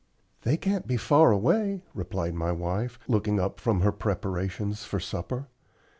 "They can't be far away," replied my wife, looking up from her preparations for supper.